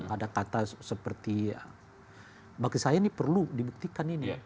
ada kata seperti bagi saya ini perlu dibuktikan ini